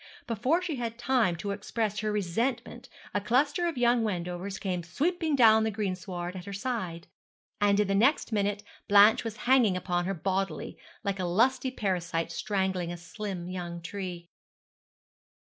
Before she had time to express her resentment a cluster of young Wendovers came sweeping down the greensward at her side, and in the next minute Blanche was hanging upon her bodily, like a lusty parasite strangling a slim young tree.